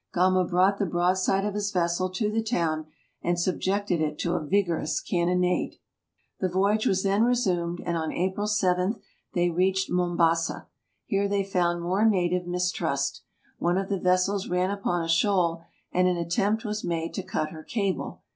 Gama brought the broadside of his vessel to the town, and subjected it to a vigorous cannonade. The voyage was then resumed, and on April 7 they reached Mombassa. Here they found more native mistrust. One of the vessels ran upon a shoal and an attempt was made to cut her cable.